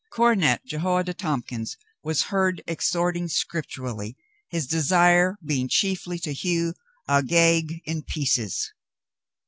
Cornet Jehoiada Tompkins was heard ex horting scripturally, his desire being chiefly to hew Agag in pieces.